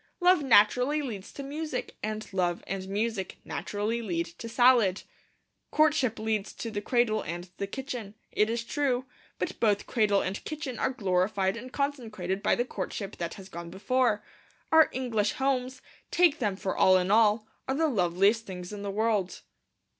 Love naturally leads to Music; and Love and Music naturally lead to Salad. Courtship leads to the cradle and the kitchen, it is true; but both cradle and kitchen are glorified and consecrated by the courtship that has gone before. Our English homes, take them for all in all, are the loveliest things in the world.